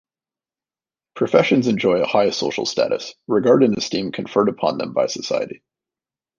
Professions enjoy a high social status, regard and esteem conferred upon them by society.